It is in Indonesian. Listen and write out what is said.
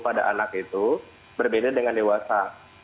tidak ada anak itu berbeda dengan dewasa